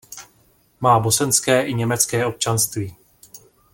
Má bosenské i německé občanství.